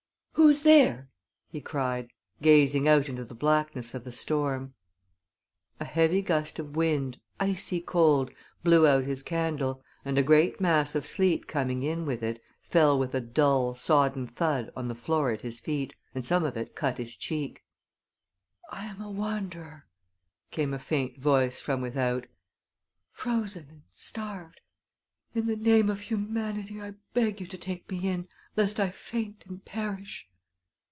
"Who's there?" he cried, gazing out into the blackness of the storm. A heavy gust of wind, icy cold, blew out his candle, and a great mass of sleet coming in with it fell with a dull, sodden thud on the floor at his feet, and some of it cut his cheek. "I am a wanderer," came a faint voice from without, "frozen and starved. In the name of humanity I beg you to take me in, lest I faint and perish."